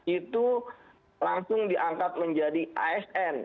itu langsung diangkat menjadi asn